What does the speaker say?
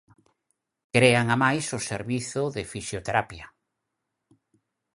Crean amais o servizo de Fisioterapia.